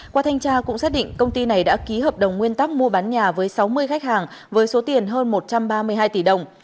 qua thanh tra cũng xác định công ty này đã ký hợp đồng nguyên tắc mua bán nhà với sáu mươi khách hàng với số tiền hơn một trăm ba mươi hai tỷ đồng